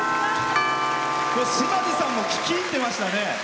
島津さんも聴き入ってましたね。